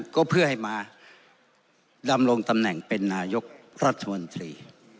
ก็เพื่อให้มาดำรงตำแหน่งเป็นนายกรัฐมนตรี